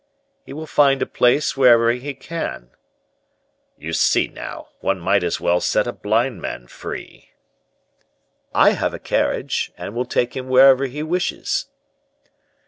"He will find a place wherever he can." "You see, now, one might as well set a blind man free!" "I have a carriage, and will take him wherever he wishes."